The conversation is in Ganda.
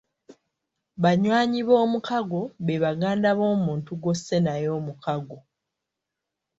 Banywanyi b’omukago be baganda b’omuntu gw’osse naye omukago.